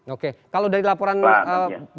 oke kalau dari laporan keuangan